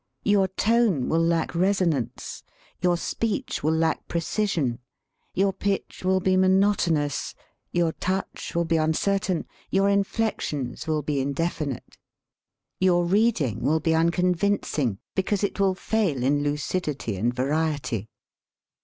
Your tone will lack resonance, your speech will lack precision, your pitch will be monotonous, your touch will be uncertain, your inflections will be indefinite. Your reading will be un 94 THE ESSAY convincing, because it will fail in lucidity and variety.